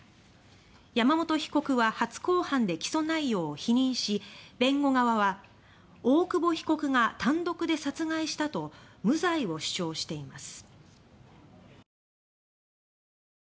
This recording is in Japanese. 山本被告は初公判で起訴内容を否認し弁護側は「大久保被告が単独で殺害した」と無罪を主張しています。